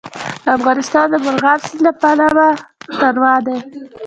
افغانستان د مورغاب سیند له پلوه متنوع دی.